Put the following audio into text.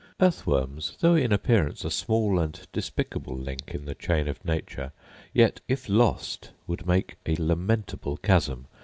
Earth worms, though in appearance a small and despicable link in the chain of nature, yet, if lost, would make a lamentable chasm.